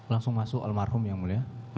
langsung masuk almarhum yang mulia